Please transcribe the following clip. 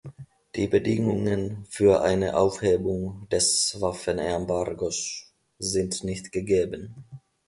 Die Bedingungen für eine Aufhebung des Waffenembargos sind nicht gegeben.